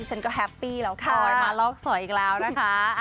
ฉันก็แฮปปี้แล้วค่ะมาลอกสอยอีกแล้วนะคะ